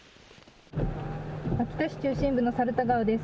秋田市中心部の猿田川です。